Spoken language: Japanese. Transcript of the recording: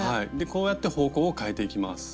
こうやって方向を変えていきます。